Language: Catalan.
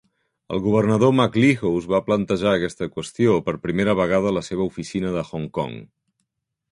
El governador MacLehose va plantejar aquesta qüestió per primera vegada a la seva oficina de Hong Kong.